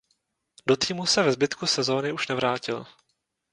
Do týmu se ve zbytku sezony už nevrátil.